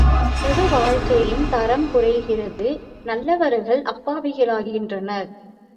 பொது வாழ்க்கையின் தரம் குறைகிறது, நல்லவர்கள் அப்பாவிகளாகின்றனர்.